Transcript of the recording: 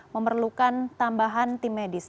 memerlukan tambahan tim medis